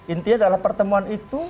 intinya dalam pertemuan itu